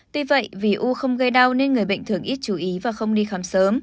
tuy vậy vì u không gây đau nên người bệnh thường ít chú ý và không đi khám sớm